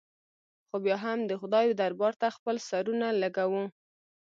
خو بیا هم د خدای دربار ته خپل سرونه لږوو.